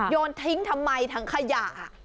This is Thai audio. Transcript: โยนทิ้งทำไมถังขยะ